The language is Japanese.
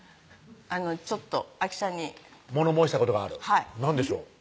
ちょっとあきちゃんに物申したいことがある何でしょう？